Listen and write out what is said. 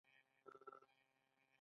موږ کلیوال خلګ یو